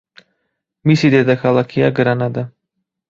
მისი დედაქალაქია გრანადა.